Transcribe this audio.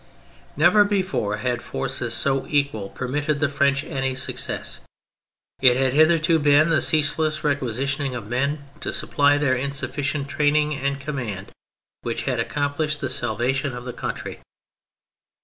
Never before had forces so equal permitted the French any success. It had hitherto been the ceaseless requisitioning of men to supply their insufficient training and com mand, which had accomplished the salvation of the country.